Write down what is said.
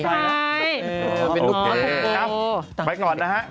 โอเคครับไปก่อนนะฮะ